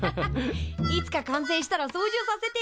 いつか完成したら操縦させてよ。